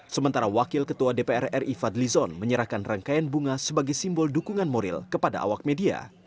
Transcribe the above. sementara wakil ketua dpr ri fadlizon menyerahkan rangkaian bunga sebagai simbol dukungan moral kepada awak media